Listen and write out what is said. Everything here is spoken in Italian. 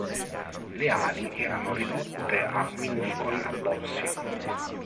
Le ali erano ridotte a minuscoli abbozzi.